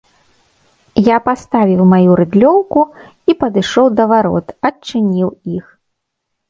Я паставіў маю рыдлёўку і падышоў да варот, адчыніў іх.